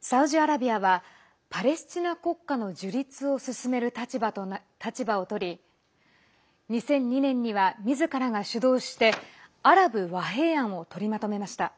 サウジアラビアはパレスチナ国家の樹立を進める立場をとり２００２年にはみずからが主導してアラブ和平案を取りまとめました。